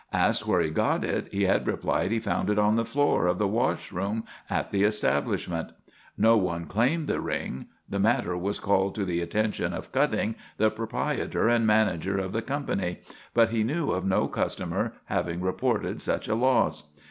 Asked where he got it, he had replied he found it on the floor of the washroom at the establishment. No one claimed the ring. The matter was called to the attention of Cutting, the proprietor and manager of the company, but he knew of no customer having reported such a loss.